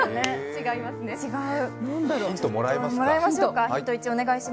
違う。